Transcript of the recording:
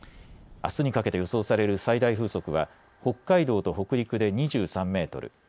あすにかけて予想される最大風速は北海道と北陸で２３メートル